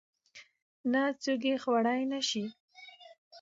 نه څوک يې خوړى نشي.